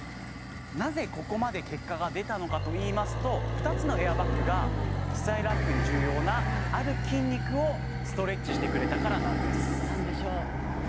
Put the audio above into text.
なぜここまで結果が出たのかといいますと２つのエアバッグがスタイルアップに重要なある筋肉をストレッチしてくれたからなんです何でしょう？